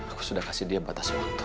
aku sudah kasih dia batas waktu